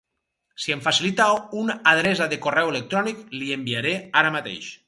Si em facilita un adreça de correu electrònic, li enviaré ara mateix.